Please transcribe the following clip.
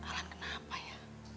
alan kenapa ya